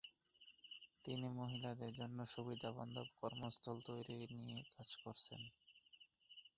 তিনি মহিলাদের জন্য সুবিধা বান্ধব কর্মস্থল তৈরি নিয়ে কাজ করছেন।